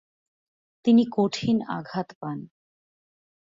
তিনি কঠিন আঘাত পান।